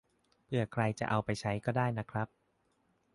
เผื่อใครจะเอาไปใช้ก็ได้นะครับ